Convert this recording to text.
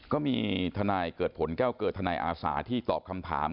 ก็มีทนายเกิดผลแก้วเกิดทนายอาสาที่ตอบคำถาม